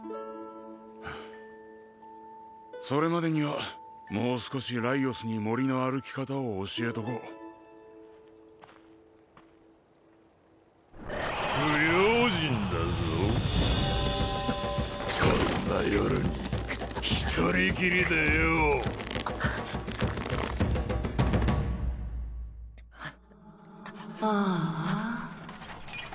それまでにはもう少しライオスに森の歩き方を教えとこう不用心だぞこんな夜に一人きりでよおああ